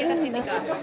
ini kita sini kak